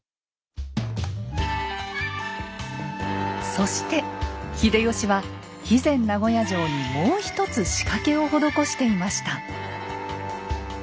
そして秀吉は肥前名護屋城にもうひとつ仕掛けを施していました。